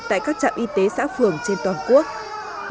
tại các trạm y tế xã phường trên toàn quốc